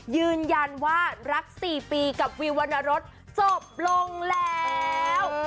ยืนยันว่ารัก๔ปีกับวิววรรณรสจบลงแล้ว